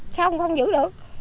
sao không giữ được